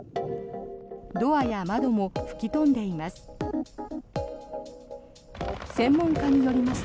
ドアや窓も吹き飛んでいます。